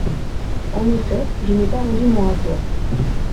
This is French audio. En effet, je n’ai pas rendu mon rapport.